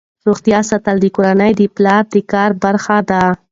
روغتیا ساتل د کورنۍ د پلار د کار برخه ده.